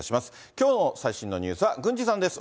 きょうの最新のニュースは郡司さんです。